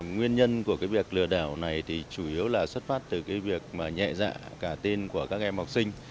nguyên nhân của việc lừa đảo này thì chủ yếu là xuất phát từ việc nhẹ dạ cả tên của các em học sinh